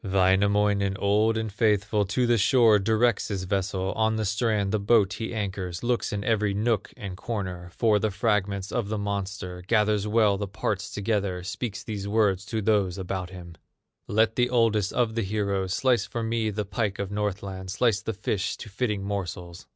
Wainamoinen, old and faithful, To the shore directs his vessel, On the strand the boat he anchors, Looks in every nook and corner For the fragments of the monster; Gathers well the parts together, Speaks these words to those about him: "Let the oldest of the heroes Slice for me the pike of Northland, Slice the fish to fitting morsels."